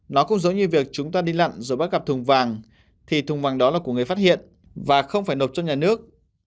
nó cũng giống như việc chúng ta đi lặn rồi bắt gặp thùng vàng thì thùng bằng đó là của người phát hiện và không phải nộp cho nhà nước